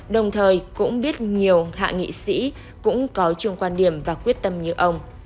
đồng thời cũng biết nhiều hạ nghị sĩ cũng có chung quan điểm và quyết tâm như ông